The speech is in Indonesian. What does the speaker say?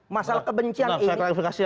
masalah kebencian ini